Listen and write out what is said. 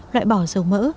loại bỏ dầu mỡ